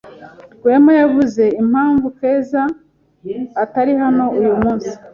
Rwema yavuze impamvu Keza atari hano uyu munsi?